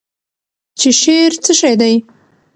چې شعر څه شی دی؟